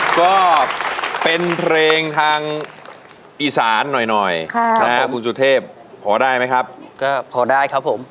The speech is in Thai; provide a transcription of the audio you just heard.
ก็เป็นเพลงทางอีสานหน่อยหน่อยคุณสุเทพพอได้ไหมครับก็พอได้ครับผม